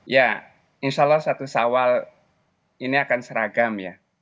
ya insya allah satu sawal ini akan seragam ya